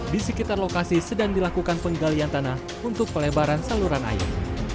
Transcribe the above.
di sekitar lokasi sedang dilakukan penggalian tanah untuk pelebaran saluran air